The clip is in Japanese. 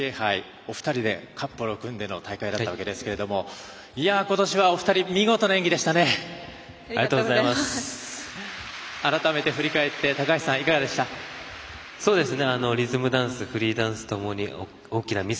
お二人でカップルを組んでの大会だったわけですけどもことしはお二人見事な演技でしたね。